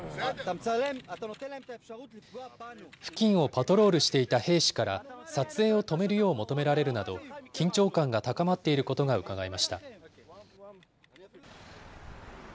付近をパトロールしていた兵士から撮影を止めるよう求められるなど、緊張感が高まっていることがうかがえました。